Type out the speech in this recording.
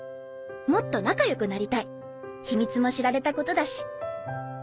もっと仲良くなりたい秘密も知られたことだし」。